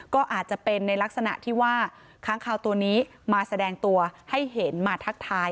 ก็อาจจะเป็นในลักษณะที่ว่าค้างคาวตัวนี้มาแสดงตัวให้เห็นมาทักทาย